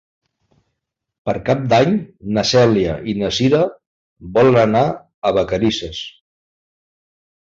Per Cap d'Any na Cèlia i na Cira volen anar a Vacarisses.